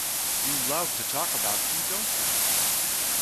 You love to talk about you, don't you?